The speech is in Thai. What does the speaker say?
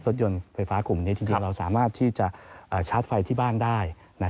รถยนต์ไฟฟ้ากลุ่มนี้จริงเราสามารถที่จะชาร์จไฟที่บ้านได้